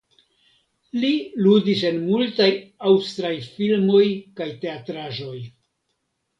Li ludis en multaj aŭstraj filmoj kaj teatraĵoj.